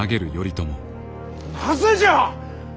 なぜじゃ！